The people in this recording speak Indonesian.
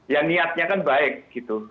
ya niatnya kan baik gitu